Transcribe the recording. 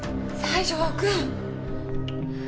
西条くん！